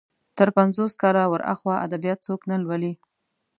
تر پنځوس کاله ور اخوا ادبيات څوک نه لولي.